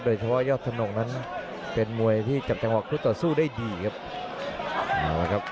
โดยเฉพาะยอดธนงนั้นเป็นมวยที่จับจังหวะทุกต่อสู้ได้ดีครับ